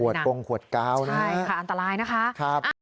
ขวดปรงขวดกาวนะครับอันตรายนะครับอันตรายนะครับ